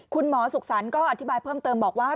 คุณหมอสุขสรรค์ก็อธิบายเพิ่มเติมบอกว่า